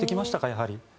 やはり。